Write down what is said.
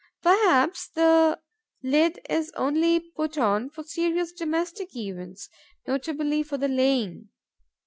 Perhaps the lid is only put on for serious domestic events, notably for the laying.